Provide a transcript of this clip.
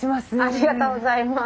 ありがとうございます。